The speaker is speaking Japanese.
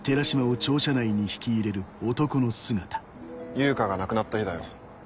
悠香が亡くなった日だよ。